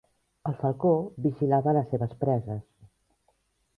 El falcó vigilava les seves preses.